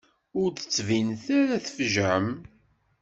Ur d-ttbinet ara tfejεem.